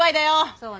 そうね。